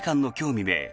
未明